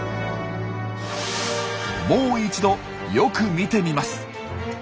もう一度よく見てみます。